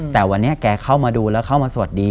แต่วันนี้แกเข้ามาดูแล้วเข้ามาสวัสดี